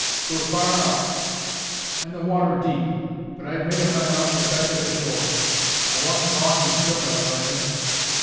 'Twur far out, an' the water deep; but I'd made up my mind to fetch it ashore. I wa'n't long in strippin', I reckin."